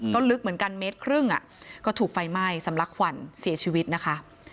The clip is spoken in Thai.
ก็ลึกเหมือนกันเมตรครึ่งก็ถูกไฟไหม้สำลักควันเสียชีวิตนะคะ